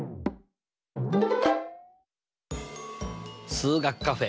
数学カフェ